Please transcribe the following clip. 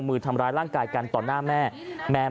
มือทำร้ายร่างกายกันต่อหน้าแม่